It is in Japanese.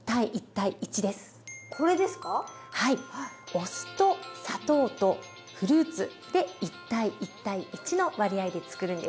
お酢と砂糖とフルーツで１：１：１の割合でつくるんです。